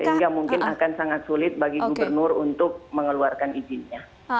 sehingga mungkin akan sangat sulit bagi gubernur untuk mengeluarkan izinnya